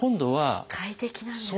快適なんですか。